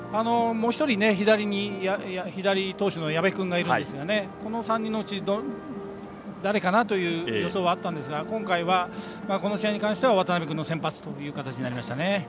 もう１人左投手の矢部君がいるんですがこの３人のうち誰かなという予想はあったんですがこの試合に関しては渡辺君の先発となりましたね。